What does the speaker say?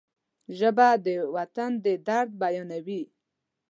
ژبه د وطن د درد بیانوي